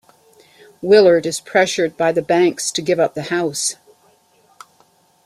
Willard is pressured by the banks to give up the house.